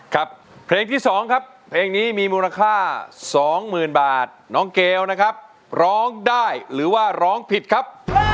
ครับเพลงที่๒ครับเพลงนี้มีมูลค่า๒๐๐๐บาทน้องเกลนะครับร้องได้หรือว่าร้องผิดครับ